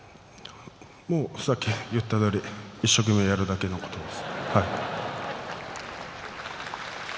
さっき言ったとおり一生懸命やるだけのことです。